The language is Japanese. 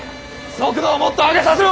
速度をもっと上げさせろ！